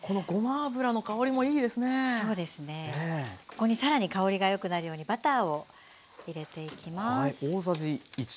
ここに更に香りがよくなるようにバターを入れていきます。